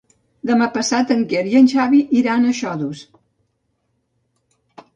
Demà passat en Quer i en Xavi iran a Xodos.